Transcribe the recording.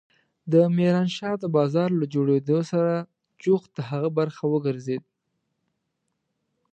د ميرانشاه د بازار له جوړېدو سره جوخت د هغه برخه وګرځېد.